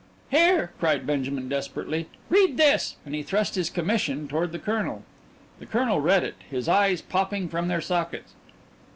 "Here!" cried Benjamin desperately. "Read this." And he thrust his commission toward the colonel. The colonel read it, his eyes popping from their sockets.